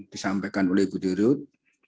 disampaikan oleh ibu dirut